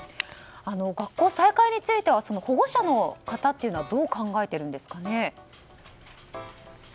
学校再開については保護者の方というのはどう考えてるんですかね。